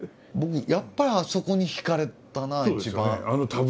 僕やっぱりあそこに惹かれたな一番。